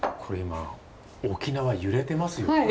これ今沖縄揺れてますよ！